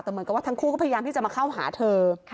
แต่เหมือนกับว่าทั้งคู่ก็พยายามที่จะมาเข้าหาเธอ